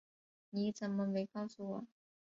你怎么没告诉我